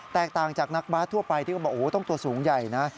ต่างจากนักบาสทั่วไปที่เขาบอกโอ้โหต้องตัวสูงใหญ่นะ